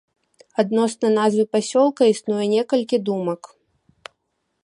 Адносна назвы пасёлка існуе некалькі думак.